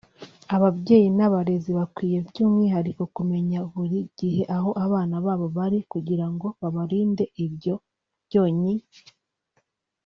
Ababayeyi n’abarezi bakwiye by’umwihariko kumenya buri gihe aho abana babo bari kugira ngo babarinde ibyo byonnyi